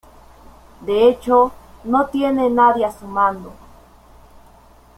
De hecho, no tiene a nadie a su mando.